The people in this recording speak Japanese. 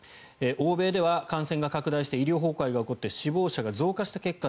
欧米では感染が拡大して医療崩壊が起こって死亡者が増加した結果